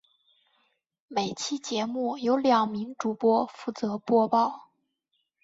每期节目由两名主播负责播报。